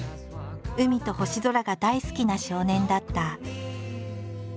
海と星空が大好きな少年だった。